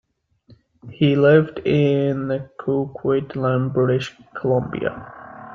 He lives in Coquitlam, British Columbia.